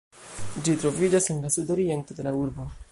Ĝi troviĝas en la sudoriento de la urbo.